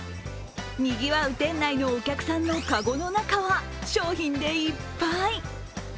にぎわう店内のお客さんのかごの中は商品でいっぱい。